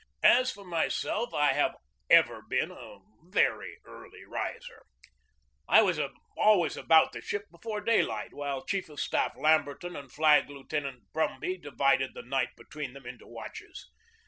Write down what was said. As for myself, I have ever been a very early riser. I was always about the ship before daylight, while Chief of Staff Lamberton and Flag Lieutenant Brum by divided the night between them into watches.